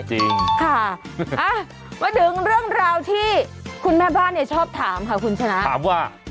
จริงค่ะมาถึงเรื่องราวที่คุณแม่บ้านเนี่ยชอบถามค่ะคุณชนะถามว่า